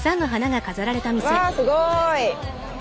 わすごい。